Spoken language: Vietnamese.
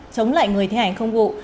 chống lại người thi hành không vụ